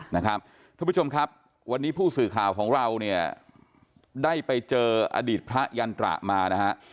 นะครับทุกผู้ชมครับวันนี้ผู้สื่อข่าวของเราได้ไปเจออดีตพระยันตระมานะคะ